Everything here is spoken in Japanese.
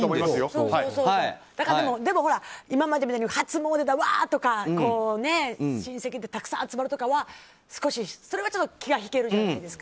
でも、今までみたいに初詣だワーッとか親戚でたくさん集まるとかは少し、それは気が引けるじゃないですか。